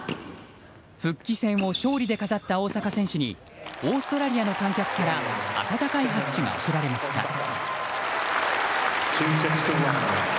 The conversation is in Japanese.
復帰戦を勝利で飾った大坂選手にオーストラリアの観客から温かい拍手が送られました。